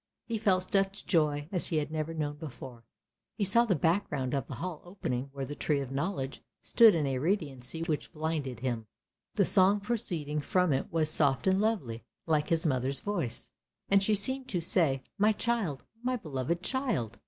He felt such joy as he had never known before; he saw the background of the hall opening where the Tree of Knowledge stood in a radiancy which blinded him. The song proceeding from it was soft and lovely, like his mother's voice, and she seemed to say, " My child, my beloved child!